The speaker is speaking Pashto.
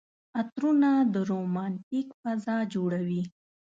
عطرونه د رومانتيک فضا جوړوي.